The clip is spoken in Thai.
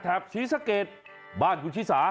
ศรีสะเกดบ้านคุณชิสา